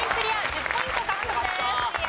１０ポイント獲得です。